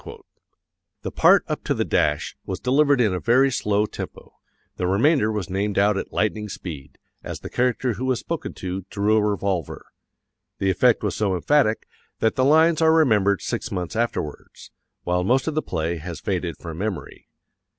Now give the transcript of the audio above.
The part up to the dash was delivered in a very slow tempo, the remainder was named out at lightning speed, as the character who was spoken to drew a revolver. The effect was so emphatic that the lines are remembered six months afterwards, while most of the play has faded from memory.